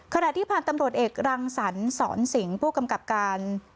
ขณะที่พันธุ์ตำรวจเอกรังสรรสอนสิงห์ผู้กำกับการ